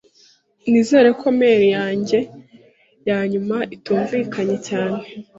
Nizere ko mail yanjye yanyuma itumvikanye cyane.